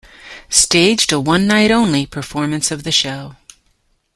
staged a one-night-only performance of the show.